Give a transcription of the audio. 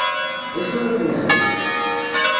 D acu i ɣilen εni?